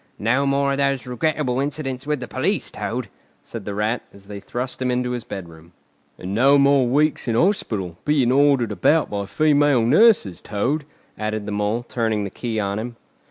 "No more of those regrettable incidents with the police, Toad," said the Rat, as they thrust him into his bedroom. "And no more weeks in hospital, being ordered about by female nurses, Toad," added the Mole, turning the key on him.